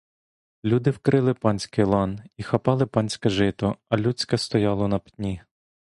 Люди вкрили панський лан і хапали панське жито, а людське стояло на пні.